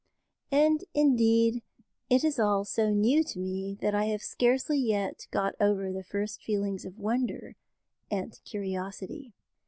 And indeed it is all so new to me that I have scarcely yet got over the first feelings of wonder and curiosity.